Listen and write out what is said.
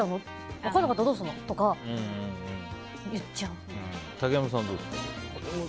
分かんなかったどうすんの？とか竹山さん、どうですか？